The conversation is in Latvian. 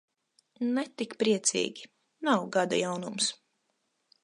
Ne tik priecīgi, nav gada jaunums.